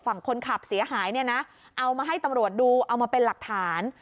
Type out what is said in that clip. ฝั่งคนขับเสียหายเนี่ยนะเอามาให้ตำรวจดูเอามาเป็นหลักฐาน